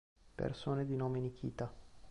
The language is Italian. Persone di nome Nikita